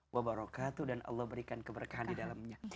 babarokatu dan allah berikan keberkahan di dalamnya